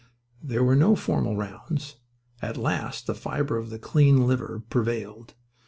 There were no formal rounds. At last the fibre of the clean liver prevailed.